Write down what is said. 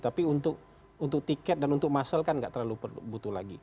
tapi untuk tiket dan untuk muscle kan nggak terlalu butuh lagi